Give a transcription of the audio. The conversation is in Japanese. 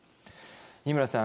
二村さん